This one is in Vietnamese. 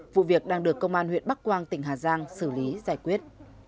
vụ việc đang được công an huyện bắc quang tỉnh hà giang xử lý giải quyết